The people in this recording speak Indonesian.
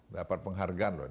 dapat penghargaan loh